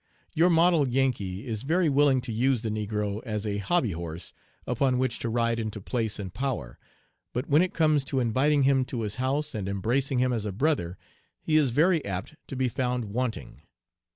Your model Yankee is very willing to use the negro as a hobby horse upon which to ride into place and power, but when it comes to inviting him to his house and embracing him as a brother he is very apt to be found wanting.